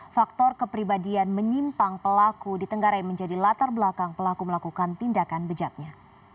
faktor kepribadian menyimpang pelaku di tenggara yang menjadi latar belakang pelaku melakukan tindakan bejatnya